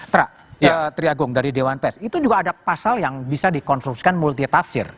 tera triagong dari dewan pes itu juga ada pasal yang bisa dikonstruksikan multi tafsir